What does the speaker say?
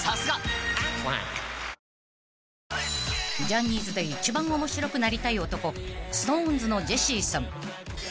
［ジャニーズで一番面白くなりたい男ＳｉｘＴＯＮＥＳのジェシーさん］